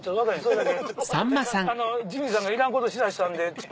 「ジミーさんがいらんことしだしたんで」。